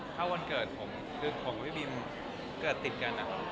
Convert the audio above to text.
ถ้าวันเกิดผมคือของพี่บีมเกิดติดกัน